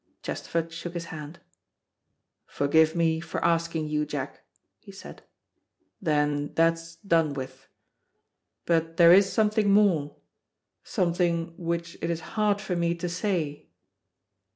Chesterford shook his hand. "Forgive me for asking you, Jack," he said. "Then that's done with. But there is something more, something which it is hard for me to say."